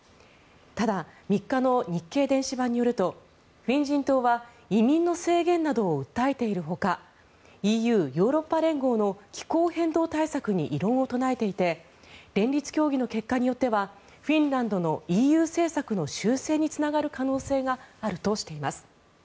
ただ、３日の日経電子版によるとフィン人党は移民の制限などを訴えているほかＥＵ・ヨーロッパ連合の気候変動対策に異論を唱えていて連日協議の結果によってはフィンランドのＥＵ政策の修正につながる可能性があるとしています。